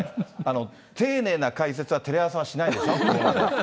丁寧な解説はテレ朝はしないでしょ。